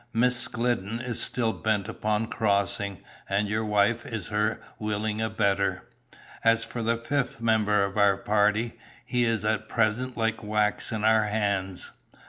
Miss Glidden is still bent upon crossing, and your wife is her willing abettor. As for the fifth member of our party, he is at present like wax in our hands.